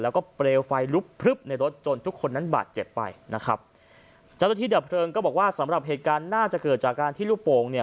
แล้วก็เปลวไฟลุกพลึบในรถจนทุกคนนั้นบาดเจ็บไปนะครับเจ้าหน้าที่ดับเพลิงก็บอกว่าสำหรับเหตุการณ์น่าจะเกิดจากการที่ลูกโป่งเนี่ย